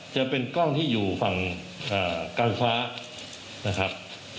จะเป็นกล้องที่อยู่ฝั่งการฟ้านะครับ